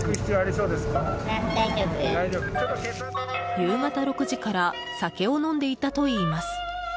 夕方６時から酒を飲んでいたといいます。